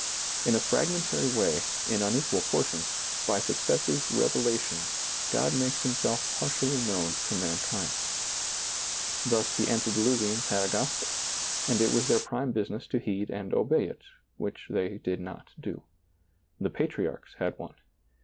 In a fragmentary way, in unequal portions, by successive revelations, God makes Himself par tially known to mankind. Thus the antediluvians had a gospel, and it was their prime business to heed and obey it, which they did not do. The patriarchs had one.